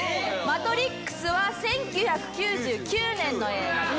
『マトリックス』は１９９９年の映画です。